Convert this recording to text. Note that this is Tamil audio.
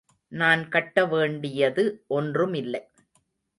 நான் கட்டவேண்டியது ஒன்றுமில்லை.